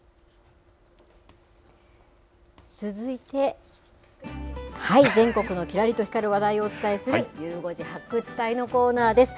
続いて、全国のきらりと光る話題をお伝えする、ゆう５時発掘隊のコーナーです。